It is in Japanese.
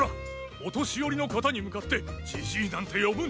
お年寄りの方に向かってじじいなんて呼ぶんじゃない。